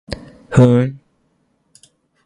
ふーん